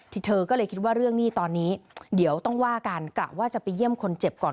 เธอก็เลยคิดว่าเรื่องหนี้ตอนนี้เดี๋ยวต้องว่ากันกะว่าจะไปเยี่ยมคนเจ็บก่อน